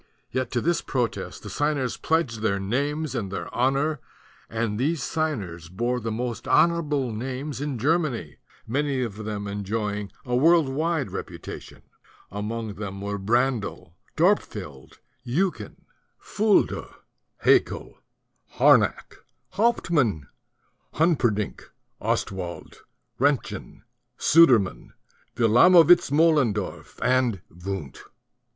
Yet to this protest the signers pledged their names and their honor; and these signers bore the most honorable names in Germany, many of them enjoying a world wide reputation. Among them were Brandl, Dorpfeld, Eucken, 36 THE DUTY OF THE INTELLECTUALS Fulda, Haeckel, Harnack, Hauptmann, Hun perdinck, Ostwald, Roentgen, Sudermann, Wil lamovitz Moellendorf and Wundt.